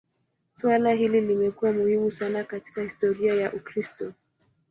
Suala hili limekuwa muhimu sana katika historia ya Ukristo.